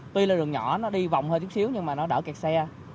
tuy là đường nhỏ nó đi vòng hơi chút xíu nhưng mà nó đỡ kẹt xe